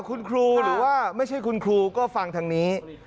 คุณครูหรือว่าไม่ใช่คุณครูก็ฟังทางนี้